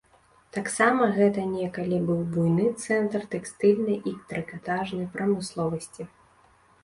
Таксама гэта некалі быў буйны цэнтр тэкстыльнай і трыкатажнай прамысловасці.